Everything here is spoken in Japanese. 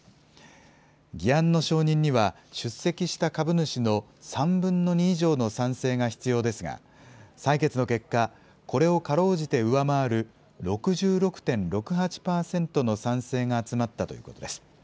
議案の承認には出席した株主の３分の２以上の賛成が必要ですが、採決の結果、これをかろうじて上回る、６６．６８％の賛成が集まったということです。